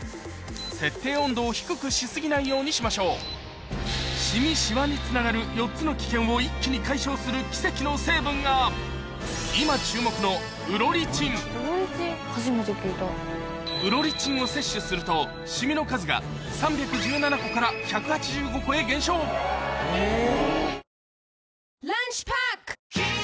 設定温度を低くし過ぎないようにしましょうシミ・シワにつながる４つの危険を一気に解消する奇跡の成分が今注目のウロリチンを摂取するとへ減少えっ！